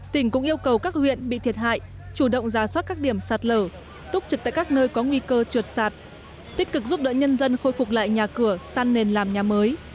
tỉnh cũng yêu cầu các huyện bị thiệt hại chủ động ra soát các điểm sạt lở túc trực tại các nơi có nguy cơ trượt sạt tích cực giúp đỡ nhân dân khôi phục lại nhà cửa san nền làm nhà mới